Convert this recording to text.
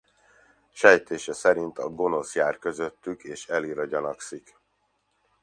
Sejtése szerint a gonosz jár közöttük és Elira gyanakszik.